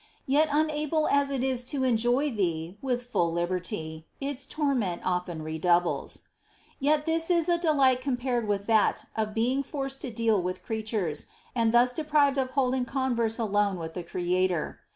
Yet, unable: as it is to enjoy Thee with full liberty, its torment often redoubles. Yet this is a delight compared with that of EXCLAMATIONS. 79 being forced to deal with creatures, and thus deprived of holding converse alone with the Creator.